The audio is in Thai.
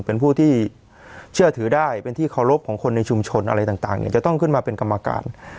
เป็นผู้ที่เชื่อถือได้เป็นที่เคารพของคนในชุมชนอะไรต่างเนี่ยจะต้องขึ้นมาเป็นกรรมการ